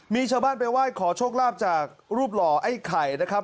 มีชาวบ้านไปไหว้ขอโชคลาภจากรูปหล่อไอ้ไข่นะครับ